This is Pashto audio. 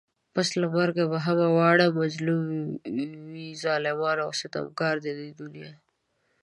پس له مرگه به همه واړه مظلوم وي ظالمان و ستمگار د دې دنيا